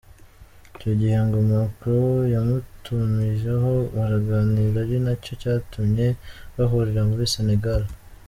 icyo gihe ngo Macron yamutumijeho baraganira ari nacyo cyatumye bahurira muri Senegal.